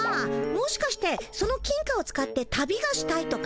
もしかしてその金貨を使って旅がしたいとか？